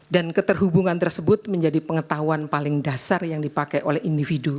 dan keterhubungan tersebut menjadi pengetahuan paling dasar yang dipakai oleh individu